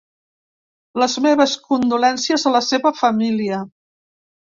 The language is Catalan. Les meves condolences a la seva família.